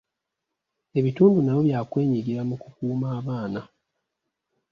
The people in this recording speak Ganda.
Ebitundu nabyo bya kwenyigira mu kukuuma abaana.